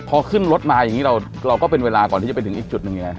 พอขึ้นรถมาอย่างนี้เราก็เป็นเวลาก่อนที่จะไปถึงอีกจุดหนึ่งยังไง